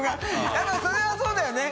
笋辰それはそうだよね。